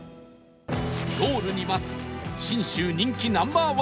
ゴールに待つ信州人気 Ｎｏ．１